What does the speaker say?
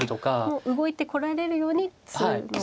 もう動いてこられるようにするのが。